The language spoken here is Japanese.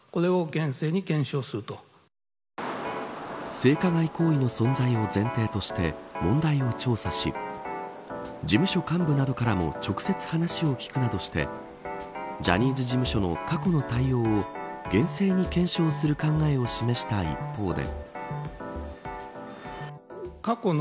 性加害行為の存在を前提として問題を調査し事務所幹部などからも直接話を聞くなどしてジャニーズ事務所の過去の対応を厳正に検証する考えを示した一方で。